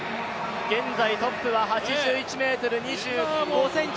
現在トップは８１ｍ２５ｃｍ。